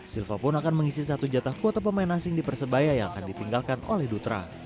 silva pun akan mengisi satu jatah kuota pemain asing di persebaya yang akan ditinggalkan oleh dutra